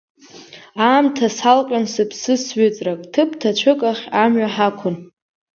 Аамҭа салҟьон сыԥсы сҩыҵрак, ҭыԥ ҭацәыкахь амҩа ҳақәын.